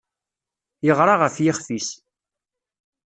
Yeɣra ɣef yixef-is.